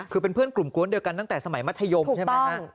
คือเป็นเพื่อนกลุ่มกวนเดียวกันตั้งแต่สมัยมัธยมใช่ไหมฮะ